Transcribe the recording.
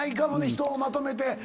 人をまとめて。